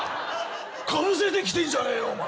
かぶせてきてんじゃねえよお前。